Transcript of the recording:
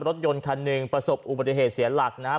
รถยนต์คันหนึ่งประสบอุบัติเหตุเสียหลักนะครับ